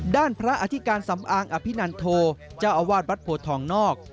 ด้านพระอธิการสำอางอภินันโทเจ้าอาวาสวัดโพทองนอก